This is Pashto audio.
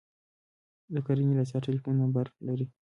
د کرنې ریاست ټلیفون نمبر لرئ؟